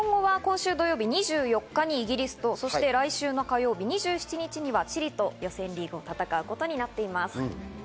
２４日にイギリスと、そして来週火曜日２７日はチリと予選リーグを戦うことになっています。